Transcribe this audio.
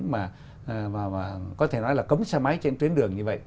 mà có thể nói là cấm xe máy trên tuyến đường như vậy